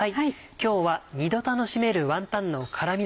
今日は２度楽しめるワンタンの辛み鍋。